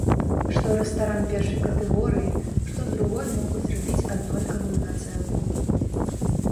Што рэстаран першай катэгорыі, што другой могуць рабіць аднолькавую нацэнку.